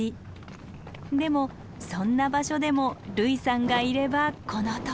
でもそんな場所でも類さんがいればこのとおり。